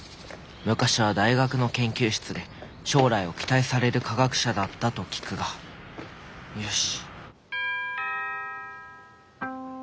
昔は大学の研究室で将来を期待される科学者だったと聞くがよし。